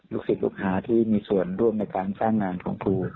ศิษย์ลูกหาที่มีส่วนร่วมในการสร้างงานของครู